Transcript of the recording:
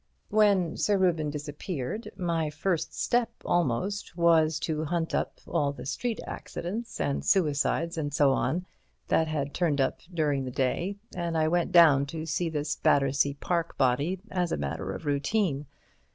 "When Sir Reuben disappeared, my first step, almost, was to hunt up all the street accidents and suicides and so on that had turned up during the day, and I went down to see this Battersea Park body as a matter of routine.